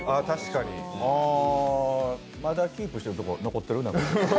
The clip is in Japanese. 確かにまだキープしてるとこ、残ってる？